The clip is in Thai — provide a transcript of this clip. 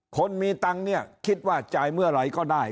คนมีตังค์เนี่ยคิดว่าจ่ายเมื่อไหร่ก็ได้